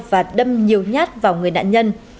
và đâm nhiều nhát vào người nạn nhân